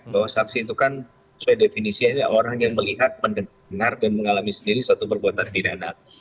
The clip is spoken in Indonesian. bahwa saksi itu kan sesuai definisinya orang yang melihat mendengar dan mengalami sendiri suatu perbuatan pidana